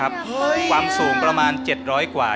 ความสูงประมาณ๗๐๐กว่า